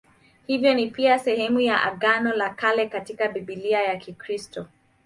Hivyo ni pia sehemu ya Agano la Kale katika Biblia ya Kikristo.